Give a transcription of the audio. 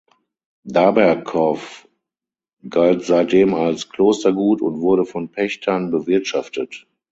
Daberkow galt seitdem als Klostergut und wurde von Pächtern bewirtschaftet.